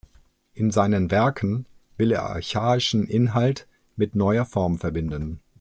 In seinen Werken will er archaischen Inhalt mit neuer Form verbinden.